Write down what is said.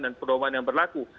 dan perdoaan yang berlaku